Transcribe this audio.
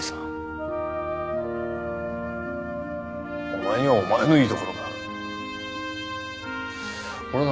お前にはお前のいいところがある。